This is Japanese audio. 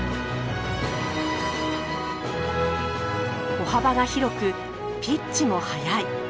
歩幅が広くピッチも速い。